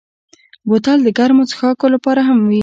بوتل د ګرمو څښاکو لپاره هم وي.